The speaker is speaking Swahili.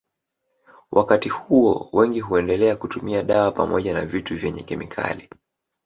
Wakati huo wengi huendelea kutumia dawa pamoja na vitu vyenye kemikali